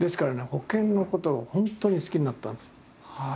保険のことが本当に好きになったんですよ。